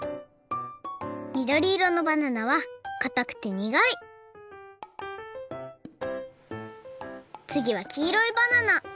みどりいろのバナナはかたくてにがいつぎは黄色いバナナ